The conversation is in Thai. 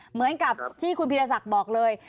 เหมือนกับที่คุณพิราษักบอกเลย